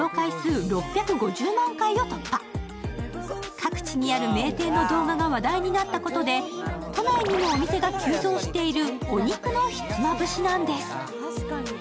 各地にある名店の動画が話題になったことで、都内にもお店が急増しているお肉のひつまぶしなんです。